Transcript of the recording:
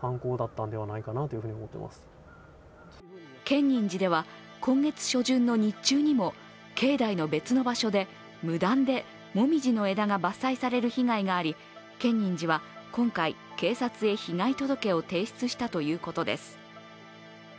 建仁寺では、今月初旬の日中にも境内の別の場所で無断でもみじの枝が伐採される被害があり建仁寺は今回、警察へ被害届を提出したということです。